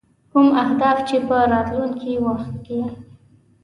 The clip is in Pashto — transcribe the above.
کوم اهداف چې په راتلونکي وخت کې.